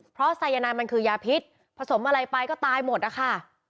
ขนาดนี้ไซยานายมันคือยาพิษผสมอะไรไปก็ตายหมดล่ะค่ะ